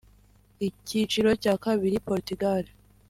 Icyiciro cya kabiri Portugal )